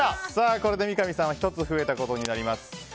これで三上さんは１つ増えたことになります。